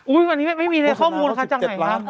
อุ๊ยวันนี้มันไม่มีริงข้อมูลนะคะจังไงครับ